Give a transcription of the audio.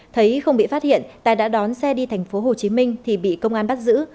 thấy không bị phát hiện tài đã đón xe đi tp hcm thì bị công an bắt giữ